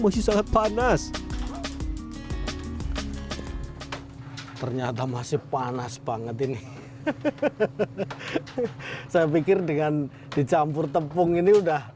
masih sangat panas ternyata masih panas banget ini saya pikir dengan dicampur tepung ini udah